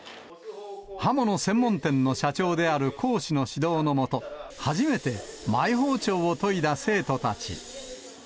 刃物専門店の社長である講師の指導の下、初めて、マイ包丁を研いだ生徒たち。